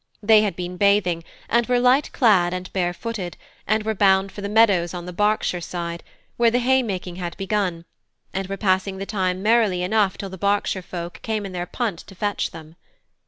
They had been bathing, and were light clad and bare footed, and were bound for the meadows on the Berkshire side, where the haymaking had begun, and were passing the time merrily enough till the Berkshire folk came in their punt to fetch them.